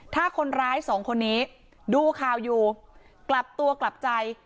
ถ้าคนร้ายสองคนนี้ดูข่าวอยู่กลับตัวกลับใจ